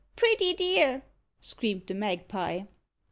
pretty dear!" screamed the magpie.